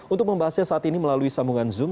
untuk membahasnya saat ini melalui sambungan zoom